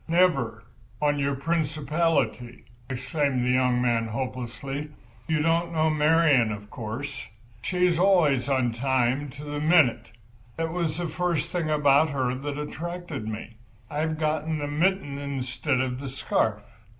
"Never, on your principality!" exclaimed the young man, hopelessly. "You don't know Marian—of course. She's always on time, to the minute. That was the first thing about her that attracted me. I've got the mitten instead of the scarf.